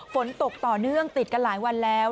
ฝนตกต่อเนื่องติดกันหลายวันแล้ว